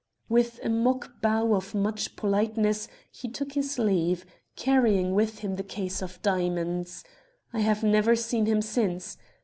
"With a mock bow of much politeness he took his leave, carrying with him the case of diamonds. I have never seen him since.